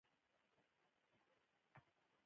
اوبۀ له دې منګي واخله